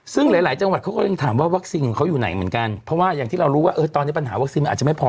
ซึ่งหลายหลายจังหวัดเขาก็ยังถามว่าวัคซีนของเขาอยู่ไหนเหมือนกันเพราะว่าอย่างที่เรารู้ว่าตอนนี้ปัญหาวัคซีนมันอาจจะไม่พอ